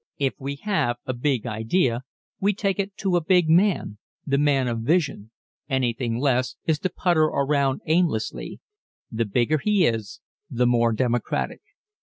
If we have a big idea we take it to a big man the man of vision. Anything less is to putter around aimlessly. The bigger he is, the more democratic.